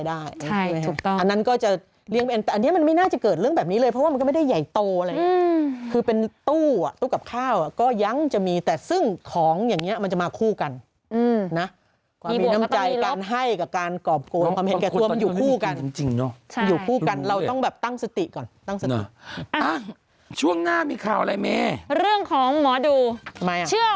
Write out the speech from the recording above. อันนี้มันไม่น่าจะเกิดเรื่องแบบนี้เลยเพราะว่ามันก็ไม่ได้ใหญ่โตอะไรคือเป็นตู้อ่ะตู้กับข้าวก็ยังจะมีแต่ซึ่งของอย่างเนี้ยมันจะมาคู่กันอืมนะมีน้ำใจการให้กับการกรอบโกรธความเห็นแก่ตัวมันอยู่คู่กันจริงเนอะใช่อยู่คู่กันเราต้องแบบตั้งสติก่อนตั้งสติอ่ะช่วงหน้ามีข่าวอะไรไหมเรื่